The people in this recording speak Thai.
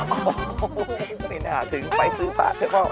โอ้โฮไม่น่าถึงไปซื้อภาพเถอะพ่อ